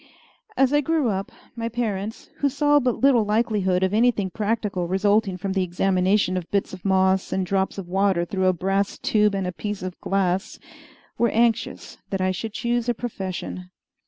As I grew up, my parents, who saw but little likelihood of anything practical resulting from the examination of bits of moss and drops of water through a brass tube and a piece of glass, were anxious that I should choose a profession.